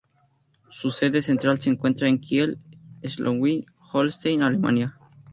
Su sede central se encuentra en Kiel, Schleswig-Holstein, Alemania.